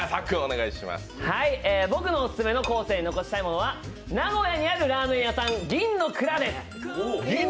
僕のオススメの後世に残したいものは名古屋にあるラーメン屋さん、銀のくらです。